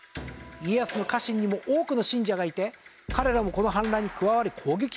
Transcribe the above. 家康の家臣にも多くの信者がいて彼らもこの反乱に加わり攻撃してきたんです。